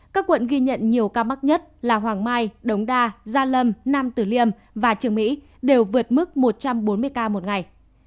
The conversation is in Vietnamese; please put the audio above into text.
các quận ghi nhận nhiều ca mắc nhất là hoàng mai đống đa gia lâm nam tử liêm và trường mỹ đều vượt mức một trăm bốn mươi ca một ngày